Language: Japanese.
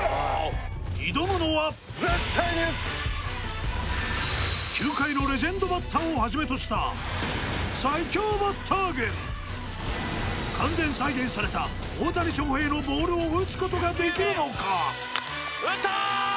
挑むのは球界のレジェンドバッターをはじめとした完全再現された大谷翔平のボールを打つことができるのか？